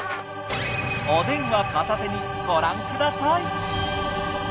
お電話片手にご覧ください。